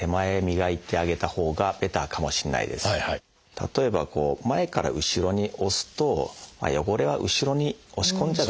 例えば前から後ろに押すと汚れは後ろに押し込んじゃう。